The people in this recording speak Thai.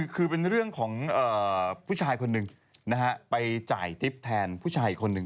คือเป็นเรื่องของเอ่อผู้ชายคนนึงนะฮะไปจ่ายทริปแทนผู้ชายคนนึง